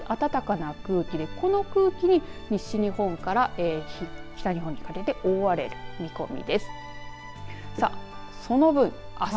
比較的暖かな空気でこの空気、西日本から北日本にかけて大荒れの見込みです。